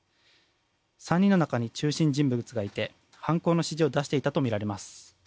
３人の中に中心人物がいて犯行の指示を出していたとみられます。